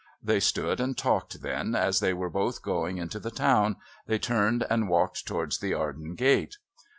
They stood and talked, then, as they were both going into the town, they turned and walked towards the Arden Gate.